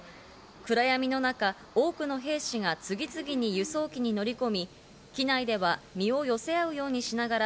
暗闇の中、多くの兵士が次々に輸送機に乗り込み、機内では身を寄せ合うようにしながら、